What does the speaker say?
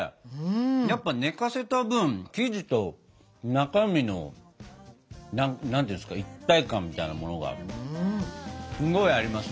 やっぱ寝かせた分生地と中身の一体感みたいなものがすごいありますね。